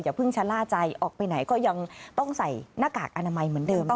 เพิ่งชะล่าใจออกไปไหนก็ยังต้องใส่หน้ากากอนามัยเหมือนเดิมนะคะ